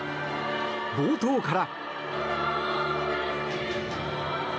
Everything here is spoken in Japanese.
冒頭から。